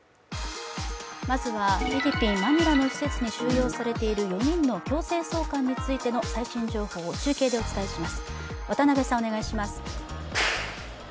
まずは、フィリピン・マニラの施設に収容されている４人の強制送還についての最新情報をお伝えします。